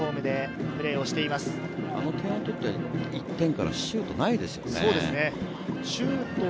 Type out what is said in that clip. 先制点を取った１点からシュートがないですよね。